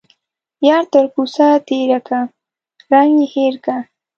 يار تر کوڅه تيرکه ، رنگ يې هير که.